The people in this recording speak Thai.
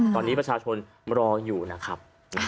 ตอนนี้ประชาชนรออยู่นะครับ